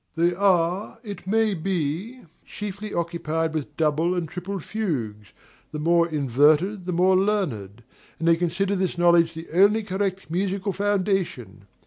They are, it may be, chiefly occupied with double and triple fugues (the more inverted the more learned), and they consider this knowledge the only correct musical foundation.